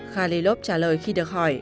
khalilov trả lời khi được hỏi